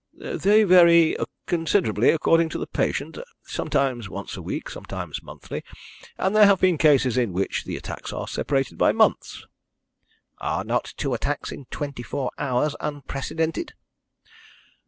"They vary considerably according to the patient sometimes once a week, sometimes monthly, and there have been cases in which the attacks are separated by months." "Are not two attacks in twenty four hours unprecedented?"